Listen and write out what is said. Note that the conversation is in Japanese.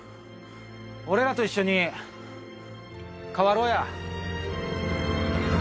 俺らと一緒に変わろうや。